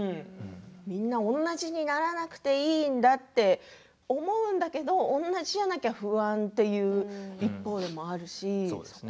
みんな同じにならなくていいんだと思うんだけれど同じじゃないと不安という声もあるしね。